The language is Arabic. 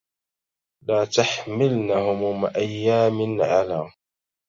لا تحملن هموم أيام على